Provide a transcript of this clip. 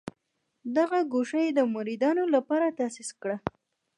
دغه ګوښه یې د مریدانو لپاره تاسیس کړه.